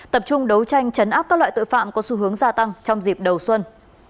tập trung đấu tranh chấn áp các loại tội phạm có xu hướng gia tăng trong dịp đầu xuân